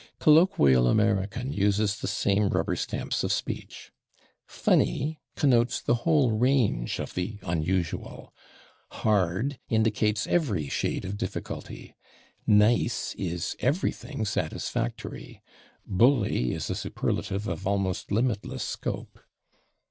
Colloquial American uses the same rubber stamps of speech. /Funny/ connotes the whole range of the unusual; /hard/ indicates every shade of difficulty; /nice/ is everything satisfactory; /bully/ is a superlative of almost limitless scope.